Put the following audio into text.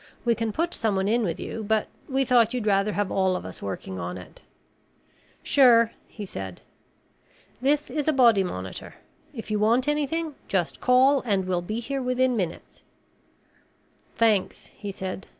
We can put someone in with you, but we thought you'd rather have all of us working on it." "Sure," he said. "This is a body monitor. If you want anything just call and we'll be here within minutes." "Thanks," he said.